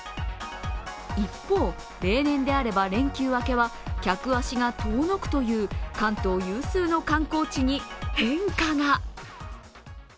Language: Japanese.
一方、例年であれば連休明けは客足が遠のくという関東有数の観光地に変化が。